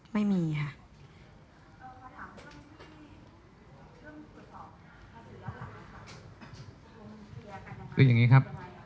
ไม่มีค่ะ